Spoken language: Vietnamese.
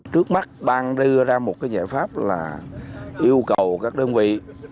trước mắt bang đưa ra một giải pháp là yêu cầu các đơn vị